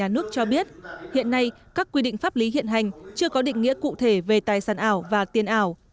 nước cho biết hiện nay các quy định pháp lý hiện hành chưa có định nghĩa cụ thể về tài sản ảo và tiền ảo